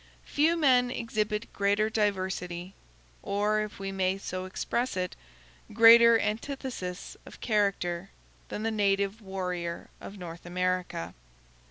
Few men exhibit greater diversity, or, if we may so express it, greater antithesis of character, than the native warrior of North America.